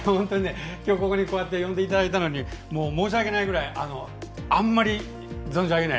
今日ここにこうやって呼んでいただいたのに申し訳ないくらいあんまり存じ上げない。